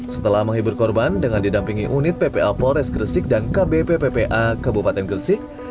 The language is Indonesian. setelah menghibur korban dengan didampingi unit ppa polres gresik dan kbp ppa kabupaten gresik